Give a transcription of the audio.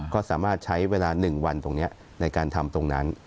ก็สามารถใช้เวลา๑วันตรงนี้ในการทำตรงนั้น